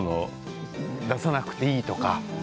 出さなくていいとか。